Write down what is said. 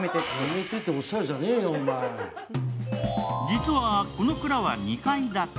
実は、この蔵は２階建て。